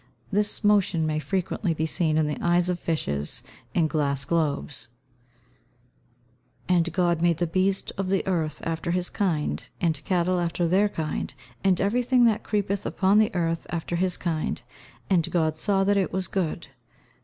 This motion may frequently be seen in the eyes of fishes, in glass globes. [Verse: "And God made the beast of the earth after his kind, and cattle after their kind, and everything that creepeth upon the earth after his kind: and God saw that it was good."